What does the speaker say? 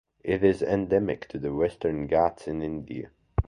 It is endemic to the Western Ghats in India.